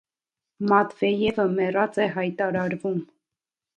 Մատվեևը մեռած է հայտարարվում։